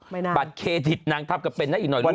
ไม่น่าบัตรเคดิตนางทัพก็เป็นนะอีกหน่อยรู้ไหม